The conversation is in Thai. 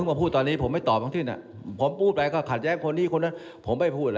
ไม่มี